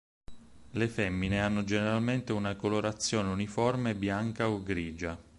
Le femmine hanno generalmente una colorazione uniforme bianca o grigia.